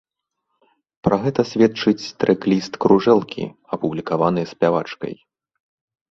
Пра гэта сведчыць трэк-ліст кружэлкі, апублікаваны спявачкай.